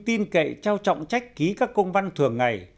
tin cậy trao trọng trách ký các công văn thường ngày